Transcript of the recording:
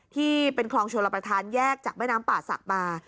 ที่เป็นคลองชลประธานแยกจากแม่น้ำป่าศักดิ์มา